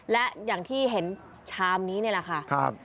และอย่างที่เห็นชามนี้นี่แหละค่ะ